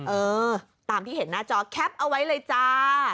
เออตามที่เห็นหน้าจอแคปเอาไว้เลยจ้า